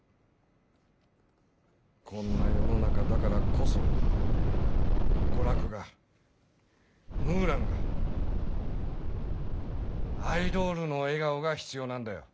こんな世の中だからこそ娯楽がムーランがアイドールの笑顔が必要なんだよ。